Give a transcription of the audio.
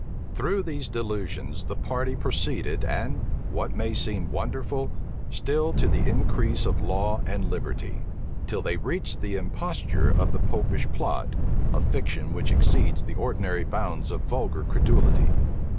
Through these delusions the party proceeded, and, what may seem wonderful, still to the increase of law and liberty; till they reached the imposture of the Popish plot, a fiction which exceeds the ordinary bounds of vulgar credulity.